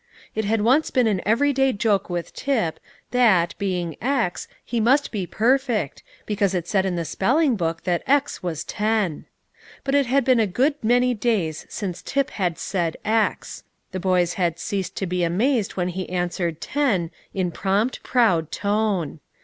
It had once been an everyday joke with Tip, that, being x, he must be perfect, because it said in the spelling book that x was ten. But it had been a good many days since Tip had said "x;" the boys had ceased to be amazed when he answered "ten" in prompt, proud tone.